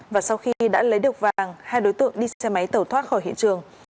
và sau khi đã lấy được vàng hai đối tượng đi xe máy tẩu thoát khỏi hiện trường